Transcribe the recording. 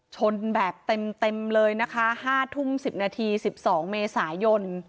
ชนแบบเต็มเลยนะคะ๕ทุ่ม๑๐นาที๑๒เมษายน